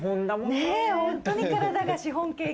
ねぇホントに体がシフォンケーキ。